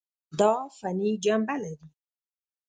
دا فني جنبه لري.